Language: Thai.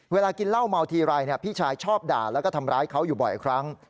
เวลากินเหล้าเมาทีไรพี่ชายชอบด่าแล้วก็ทำร้ายเขาอยู่บ่อยครั้ง